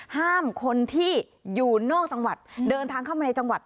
ห้ามคนที่อยู่นอกจังหวัดเดินทางเข้ามาในจังหวัด